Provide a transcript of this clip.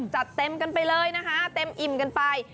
จัดเต็มกันไปเลยนะคะเต็มอิ่มกันไป